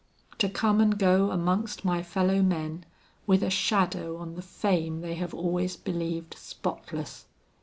To come and go amongst my fellow men with a shadow on the fame they have always believed spotless!